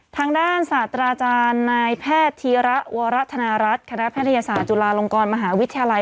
ทางด้านศาสตราจารย์นายแพทย์ธีระวรธนรัฐคณะแพทยศาสตร์จุฬาลงกรมหาวิทยาลัย